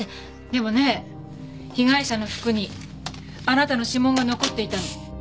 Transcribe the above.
でもね被害者の服にあなたの指紋が残っていたの。